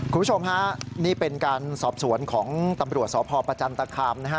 คุณผู้ชมฮะนี่เป็นการสอบสวนของตำรวจสพประจันตคามนะฮะ